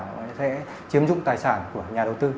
có thể chiếm dụng tài sản của nhà đầu tư